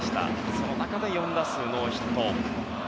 その中で４打数ノーヒット。